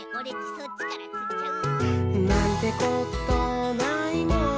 そっちからつっちゃう！